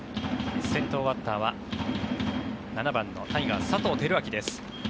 先頭バッターは７番のタイガース、佐藤輝明です。